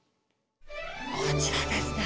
こちらですね。